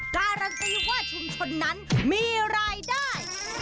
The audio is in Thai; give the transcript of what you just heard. การันตีว่าชุมชนนั้นมีรายได้